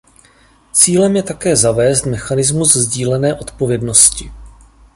Cílem je také zavést mechanismus sdílené odpovědnosti.